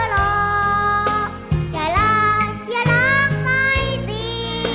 อย่ารักอย่ารักไม่ดี